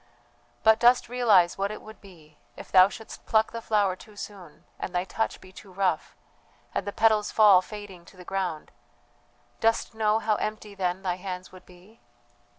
"But dost realize what it would be if thou shouldst pluck the flower too soon and thy touch be too rough, and the petals fall fading to the ground; dost know how empty then thy hands would be?